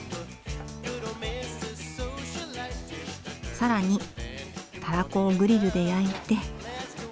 更にタラコをグリルで焼いて。